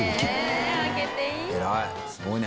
「偉い。